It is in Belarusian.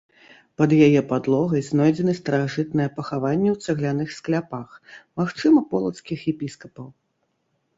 Пад яе падлогай знойдзены старажытныя пахаванні ў цагляных скляпах, магчыма, полацкіх епіскапаў.